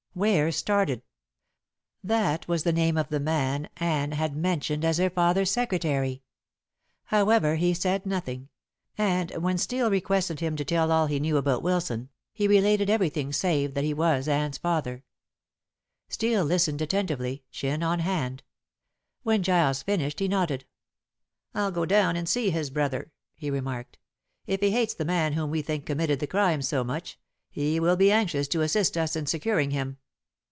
Ware started. That was the name of the man Anne had mentioned as her father's secretary. However, he said nothing, and when Steel requested him to tell all he knew about Wilson, he related everything save that he was Anne's father. Steel listened attentively, chin on hand. When Giles finished he nodded. "I'll go down and see this brother," he remarked. "If he hates the man whom we think committed the crime so much, he will be anxious to assist us in securing him.